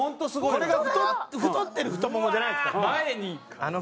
これが太ってる太ももじゃないですから。